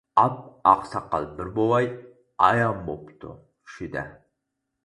ئاپئاق ساقال بىر بوۋاي، ئايان بوپتۇ چۈشىدە.